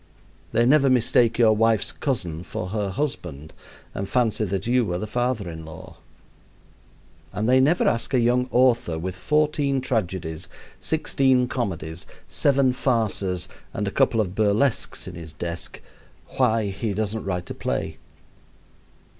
They never mistake your wife's cousin for her husband and fancy that you are the father in law. And they never ask a young author with fourteen tragedies, sixteen comedies, seven farces, and a couple of burlesques in his desk why he doesn't write a play.